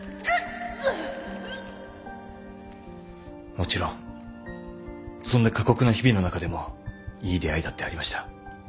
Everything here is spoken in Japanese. もちろんそんな過酷な日々の中でもいい出会いだってありました。